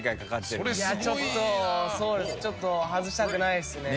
ちょっと外したくないっすね。